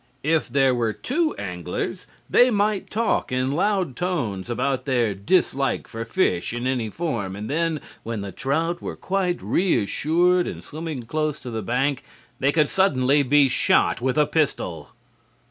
If there were two anglers they might talk in loud tones about their dislike for fish in any form, and then, when the trout were quite reassured and swimming close to the bank they could suddenly be shot with a pistol.